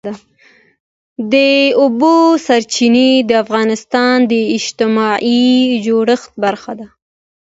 د اوبو سرچینې د افغانستان د اجتماعي جوړښت برخه ده.